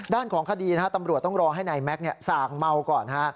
ด้านของคดีตำรวจต้องรอให้นายแม็กซ์สั่งเมาก่อน